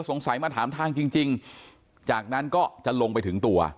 สงสัยมาถามทางจริงจากนั้นก็จะลงไปถึงตัว